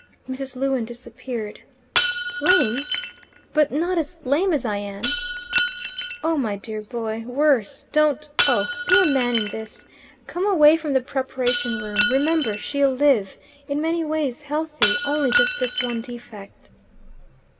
Mrs. Lewin disappeared. "Lame! but not as lame as I am?" "Oh, my dear boy, worse. Don't oh, be a man in this. Come away from the preparation room. Remember she'll live in many ways healthy only just this one defect."